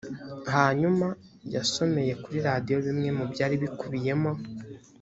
hanyuma yasomeye kuri radiyo bimwe mu byari bikubiyemo